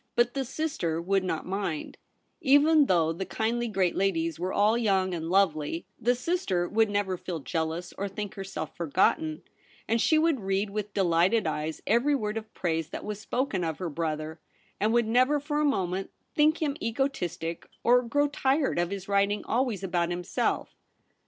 But the sister would not mind, even though the kindly great ladies were all young and lovely ; the sister would never feel jealous or think herself forgotten ; and she would read with delighted e)es every word of praise that was spoken of her brother, and would never for a moment think him egotistic or grow tired of his writing always about himself.